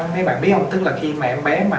mấy bạn biết học tức là khi mà em bé mà